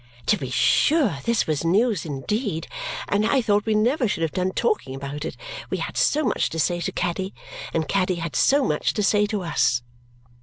To be sure, this was news indeed; and I thought we never should have done talking about it, we had so much to say to Caddy, and Caddy had so much to say to us.